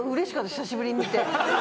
久しぶりに見て。